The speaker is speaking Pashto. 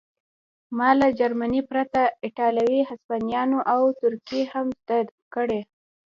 ما له جرمني پرته ایټالوي هسپانوي او ترکي هم زده کړې